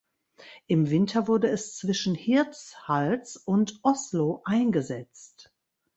Im Winter wurde es zwischen Hirtshals und Oslo eingesetzt.